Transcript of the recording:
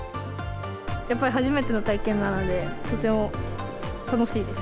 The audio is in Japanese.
やっぱり初めての体験なので、とても楽しいです。